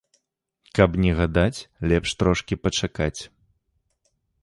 Каб не гадаць, лепш трошкі пачакаць.